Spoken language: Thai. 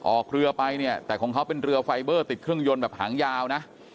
ออกเรือไปเนี่ยแต่ของเขาเป็นเรือไฟเบอร์ติดเครื่องยนต์แบบหางยาวนะ